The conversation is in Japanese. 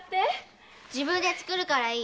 自分で作るからいい。